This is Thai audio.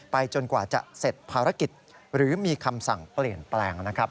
จนกว่าจะเสร็จภารกิจหรือมีคำสั่งเปลี่ยนแปลงนะครับ